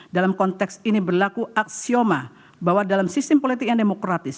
dalam konteks ini berlaku aksioma bahwa dalam sistem politik yang demokratis